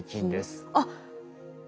あっ。